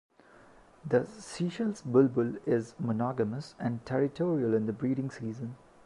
The Seychelles bulbul is monogamous and territorial in the breeding season.